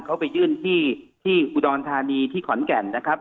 เขาไปยื่นที่ที่อุดรธานีที่ขอนแก่นนะครับ